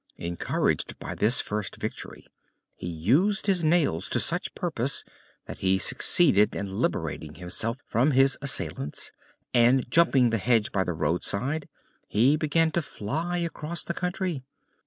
Encouraged by this first victory he used his nails to such purpose that he succeeded in liberating himself from his assailants, and, jumping the hedge by the roadside, he began to fly across the country.